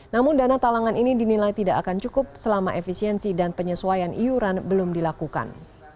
namun dana talangan ini dinilai tidak akan cukup selama efisiensi dan penyesuaian iuran belum dilakukan